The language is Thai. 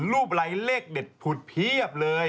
รูปอะไรเลขเด็ดผุดเพียบเลย